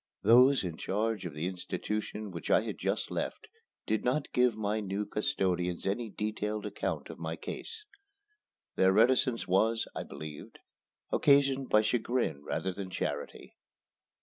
Those in charge of the institution which I had just left did not give my new custodians any detailed account of my case. Their reticence was, I believe, occasioned by chagrin rather than charity.